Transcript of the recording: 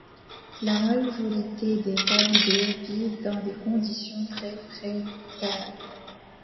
La majorité des talibés vivent dans des conditions très précaires.